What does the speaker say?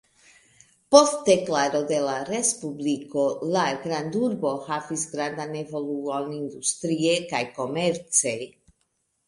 Post deklaro de la respubliko la grandurbo havis grandan evoluon industrie kaj komerce.